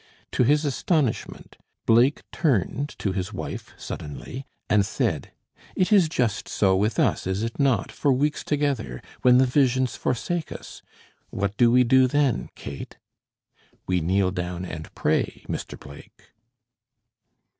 To his astonishment, Blake turned to his wife suddenly, and said, "It is just so with us, is it not, for weeks together, when the visions forsake us! What do we do then, Kate?" "We kneel down and pray, Mr. Blake."